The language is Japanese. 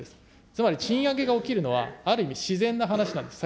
つまり賃上げが起きるのは、ある意味、自然な話なんです。